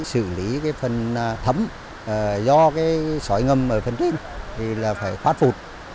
xử lý phần thấm do sói ngâm ở phần trên thì phải phát phụt